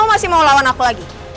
kamu masih mau lawan aku lagi